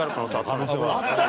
可能性はあった。